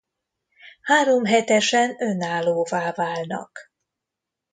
Háromhetesen önállóvá válnak.